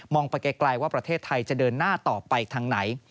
ไปไกลว่าประเทศไทยจะเดินหน้าต่อไปทางไหน